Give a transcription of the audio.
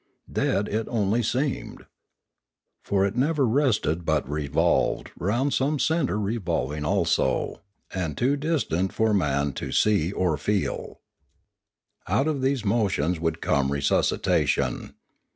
Dead it only seemed. For it never rested but revolved round SQijie centre revolving also, and too distant for man to 468 Limanora see or feel. Out of these motions would come resusci tation.